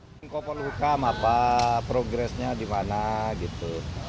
menkopol hukam apa progresnya di mana gitu